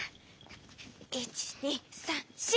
１２３４！